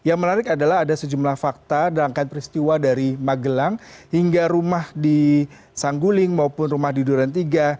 yang menarik adalah ada sejumlah fakta rangkaian peristiwa dari magelang hingga rumah di sangguling maupun rumah di duren tiga